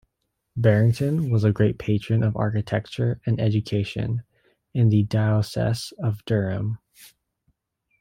Barrington was a great patron of architecture and education in the diocese of Durham.